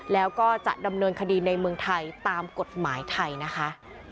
แล้วก็จะดำเนินคดีในเมืองไทยตามกฎหมายไทยนะคะ